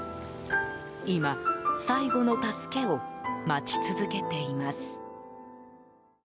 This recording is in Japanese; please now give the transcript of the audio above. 今、最後の助けを待ち続けています。